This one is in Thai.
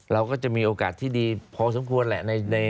เราก็จะมีโอกาสที่ดีพอสมควรแหละ